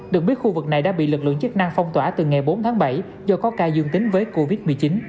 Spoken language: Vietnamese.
được biết khu vực này đã bị lực lượng chức năng phong tỏa từ ngày bốn tháng bảy do có ca dương tính với covid một mươi chín